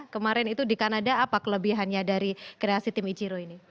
kemarin itu di kanada apa kelebihannya dari kreasi tim ichiro ini